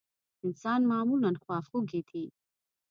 انسانان معمولا خواخوږي دي.